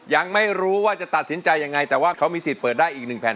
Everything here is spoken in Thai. ยังไม่รู้ว่าจะตัดสินใจยังไงแต่ว่าเขามีสิทธิ์เปิดได้อีกหนึ่งแผ่น